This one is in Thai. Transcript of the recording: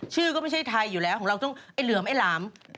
ชื่อก็ไม่ใช่ไทยอยู่แล้วของเราต้องไอ้เหลือมไอ้หลาม